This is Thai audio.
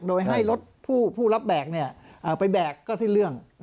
โดยให้รถผู้รับแบกไปแบกก็สิ้นเรื่อง